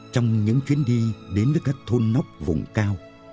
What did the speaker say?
trong những chuyến đi đến với các thôn nóc vùng cao